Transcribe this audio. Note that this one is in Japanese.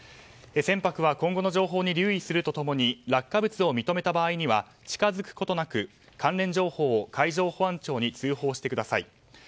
船舶は、今後の情報に留意すると共に落下物を認めた場合には近づくことなく関連情報を海上保安庁に通報してください。